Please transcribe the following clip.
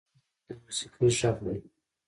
هېواد د موسیقۍ غږ دی.